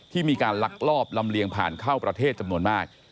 มีการลักลอบลำเลียงผ่านเข้าประเทศจำนวนมาก